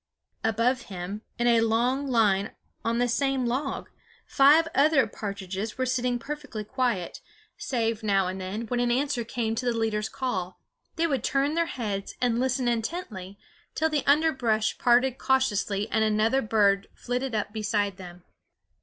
Above him, in a long line on the same log, five other partridges were sitting perfectly quiet, save now and then, when an answer came to the leader's call, they would turn their heads and listen intently till the underbrush parted cautiously and another bird flitted up beside them.